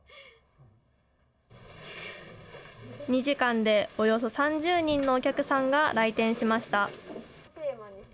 ２時間でおよそ３０人のお客さんが来店しました。